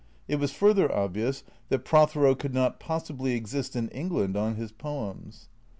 It was further obvious that Prothero could not possibly exist in England on his poems.